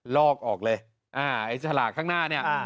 ลอกออกเลยไอ้สลากข้างหน้าเนี่ย